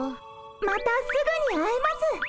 またすぐに会えます。